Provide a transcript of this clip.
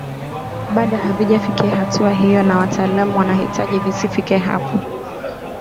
bado havijafikia hatua hiyo na wataalam wanajitahidi visifike hapo